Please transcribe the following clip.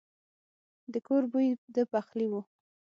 د کور بوی د پخلي وو.